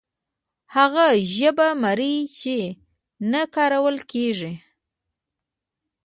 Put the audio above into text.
هغه ژبه مري چې نه کارول کیږي.